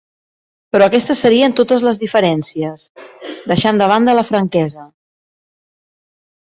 Però aquestes serien totes les diferències, deixant de banda la franquesa.